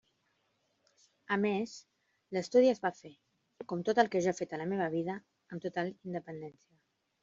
A més, l'estudi es va fer, com tot el que jo he fet a la meva vida, amb total independència.